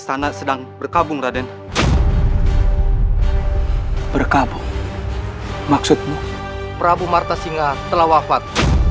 sana sedang berkabung raden berkabung maksudmu prabu marta singa telah wafat